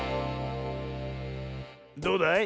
どうだい？